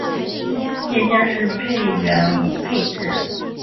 夜间是站员无配置。